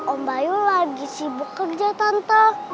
om bayu lagi sibuk kerja kantor